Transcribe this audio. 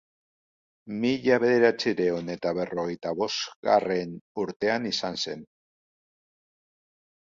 Mila bederatziehun eta berrogeita bosgarren urtean izan zen.